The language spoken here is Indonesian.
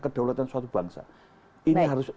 kedaulatan suatu bangsa ini harus